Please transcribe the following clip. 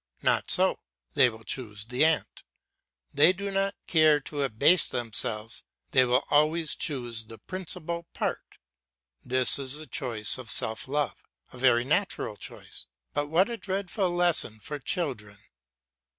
Not so, they will choose the ant. They do not care to abase themselves, they will always choose the principal part this is the choice of self love, a very natural choice. But what a dreadful lesson for children!